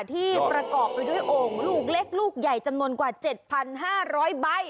ที่ประกอบไปด้วยโอ่งลูกเล็กลูกใหญ่จำนวนกว่า๗๕๐๐ใบ